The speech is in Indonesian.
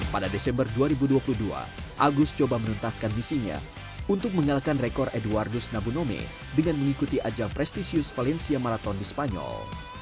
pada desember dua ribu dua puluh dua agus coba menuntaskan misinya untuk mengalahkan rekor edwardus nabunome dengan mengikuti ajang prestisius valencia marathon di spanyol